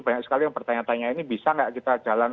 banyak sekali yang bertanya tanya ini bisa nggak kita jalan